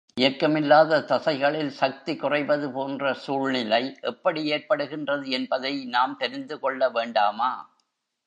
இயக்கமில்லாத தசைகளில் சக்தி குறைவது போன்ற சூழ்நிலை எப்படி ஏற்படுகிறது என்பதை நாம் தெரிந்து கொள்ள வேண்டாமா?